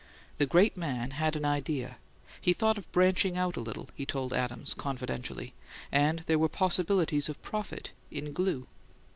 The great man had an idea: he thought of "branching out a little," he told Adams confidentially, and there were possibilities of profit in glue.